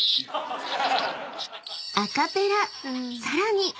［さらに］